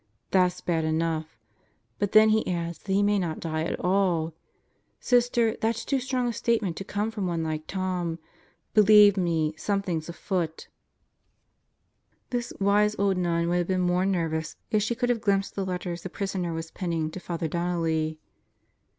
That's bad enough, but then he adds that he may not die at all. Sister, that's too strong a statement to come from one like Tom. Believe me, something's afoot." This wise old nun would have been more nervous if she could have glimpsed the letters the prisoner was penning to Father Donnelly.